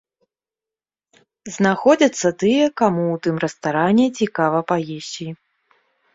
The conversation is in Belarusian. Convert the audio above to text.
Знаходзяцца тыя, каму ў тым рэстаране цікава паесці.